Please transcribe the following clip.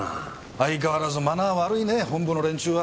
相変わらずマナー悪いね本部の連中は。